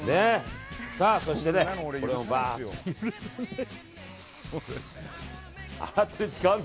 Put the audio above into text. そして、これをバーッと。